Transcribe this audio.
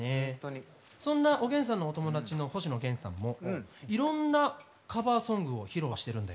そんなおげんさんのお友達の星野源さんもいろんなカバーソングを披露してるんだよね。